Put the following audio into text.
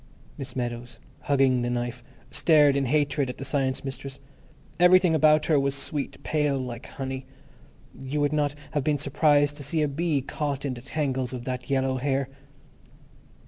Miss Meadows, hugging the knife, stared in hatred at the Science Mistress. Everything about her was sweet, pale, like honey. You would not have been surprised to see a bee caught in the tangles of that yellow hair.